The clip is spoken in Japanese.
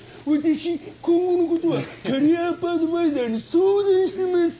「私今後のことはキャリアアップアドバイザーに相談してます」。